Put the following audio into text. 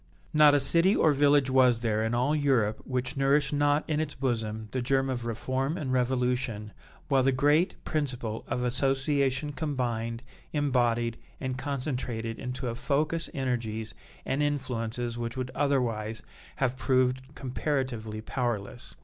Not a city or village was there in all Europe which nourished not in its bosom the germ of reform and revolution, while the great principle of association combined, embodied, and concentrated into a focus energies and influences which would otherwise have proved comparatively powerless.